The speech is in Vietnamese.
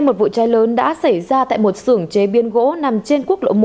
một vụ cháy lớn đã xảy ra tại một xưởng chế biên gỗ nằm trên quốc lộ một